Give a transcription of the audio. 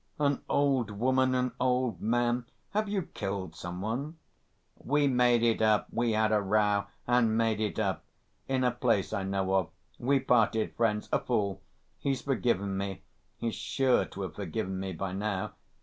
An old woman, an old man.... Have you killed some one?" "We made it up. We had a row—and made it up. In a place I know of. We parted friends. A fool.... He's forgiven me.... He's sure to have forgiven me by now